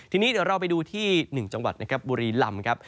ทีนี้เราไปดูที่๑จังหวัดบุรีลำ